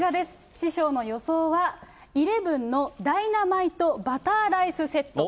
師匠の予想は、イレブンの、ダイナマイトバターライスセットと。